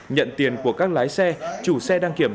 nhận tiền của các lái xe chủ xe đăng kiểm